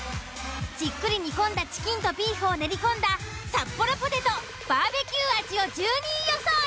じっくり煮込んだチキンとビーフを練り込んだサッポロポテトバーベＱあじを１２位予想に。